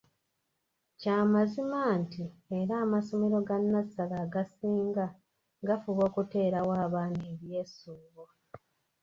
Kya mazima nti era amasomero ga nnasale agasinga gafuba okuteerawo abaana ebyesuubo.